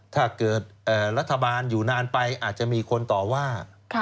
ถ้าเกิดรัฐบาลอยู่นานไปอาจจะมีคนต่อว่า